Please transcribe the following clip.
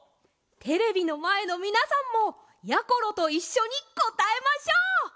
テレビのまえのみなさんもやころといっしょにこたえましょう！